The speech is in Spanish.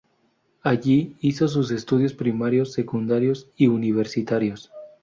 Allí hizo sus estudios primarios, secundarios y universitarios.